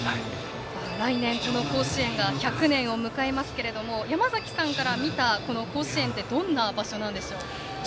来年、この甲子園が１００年を迎えますけれども山崎さんから見た甲子園はどんな場所でしょう？